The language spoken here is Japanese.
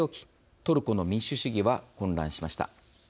トルコの民主主義は混乱しました。